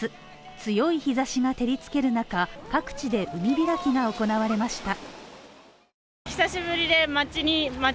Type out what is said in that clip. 強い日ざしが照りつける中、各地で海開きが行われました。